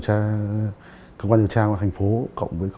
tra công an được trao thành phố cộng với